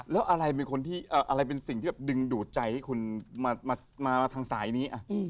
แล้วอะไรเป็นสิ่งที่ดึงดูดใจให้คุณมาทางสายนี้